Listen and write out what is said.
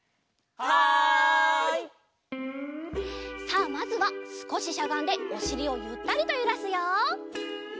さあまずはすこししゃがんでおしりをゆったりとゆらすよ。